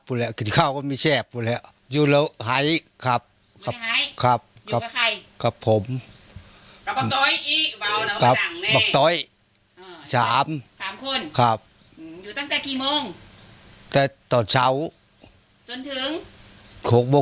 อยู่ตั้งแต่กี่โมงแต่ตอนเช้าจนถึง๖โมงแรกต่อมาขำและเข้ามาบ้าน